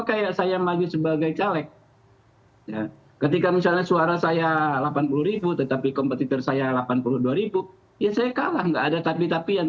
kalau saya dikasih kesempatan ngomong